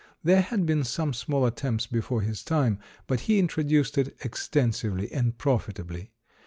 There had been some small attempts before his time, but he introduced it extensively and profitably.